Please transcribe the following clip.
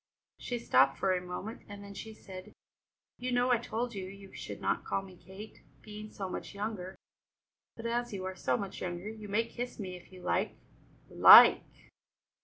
She stopped for a moment, and then she said: "You know I told you you should not call me Kate, being so much younger; but, as you are so much younger, you may kiss me if you like." "Like!"